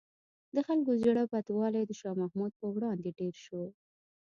د خلکو زړه بدوالی د شاه محمود په وړاندې ډېر شو.